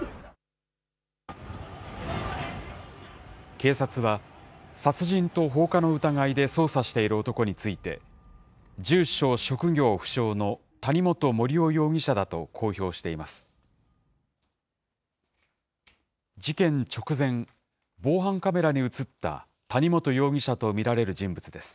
警察は、殺人と放火の疑いで捜査している男について、住所、職業不詳の谷本盛雄容疑者だと公表しています。